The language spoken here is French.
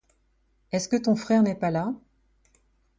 Est-ce que ton frère n'est pas là?